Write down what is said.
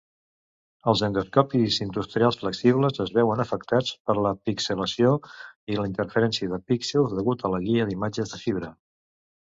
Els endoscopis industrials flexibles es veuen afectats per la pixelació i la interferència de píxels degut a la guia d'imatges de fibra.